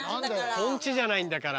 頓知じゃないんだから。